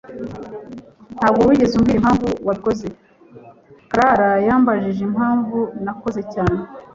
Ntabwo wigeze umbwira impamvu wabikoze. Clara yambajije impamvu nakoze cyane.